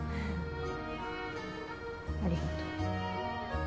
ありがとう。